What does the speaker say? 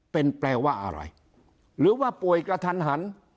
เป็นแปลว่าอะไรหรือว่าป่วยกระทันหัน